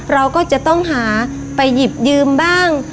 เราก็จะต้องหาไปหยิบยืมบ้าง